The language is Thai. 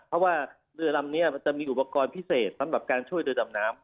เพราะว่าเรือลำนี้มันจะมีอุปกรณ์พิเศษสำหรับการช่วยเรือดำน้ำ